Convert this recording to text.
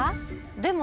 でも。